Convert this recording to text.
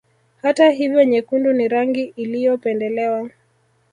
Hata hivyo nyekundu ni rangi iliyopendelewa